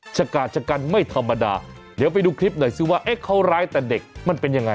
ชะกาดชะกันไม่ธรรมดาเดี๋ยวไปดูคลิปหน่อยซิว่าเขาร้ายแต่เด็กมันเป็นยังไง